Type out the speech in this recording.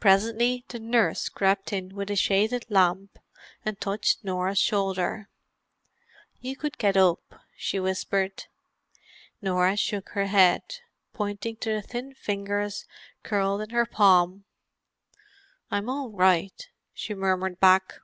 Presently the nurse crept in with a shaded lamp and touched Norah's shoulder. "You could get up," she whispered. Norah shook her head, pointing to the thin fingers curled in her palm. "I'm all right," she murmured back.